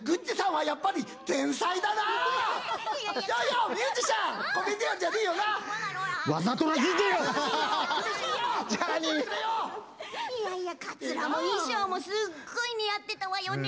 いやいやカツラも衣装もすっごい似合ってたわよね。